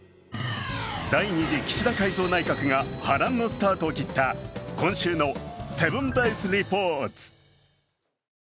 第２次岸田改造内閣が波乱のスタートを切った今週の「７ｄａｙｓリポート」。